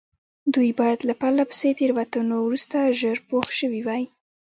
دوی باید له پرله پسې تېروتنو وروسته ژر پوه شوي وای.